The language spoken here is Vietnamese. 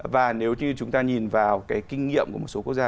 và nếu như chúng ta nhìn vào cái kinh nghiệm của một số quốc gia